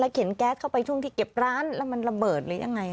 เข็นแก๊สเข้าไปช่วงที่เก็บร้านแล้วมันระเบิดหรือยังไง